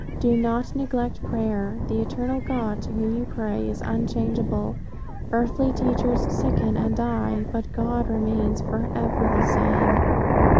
Do not neglect prayer. The eternal God, to whom you pray, is unchangeable. Earthly teachers sicken and die, but God remains forever the same.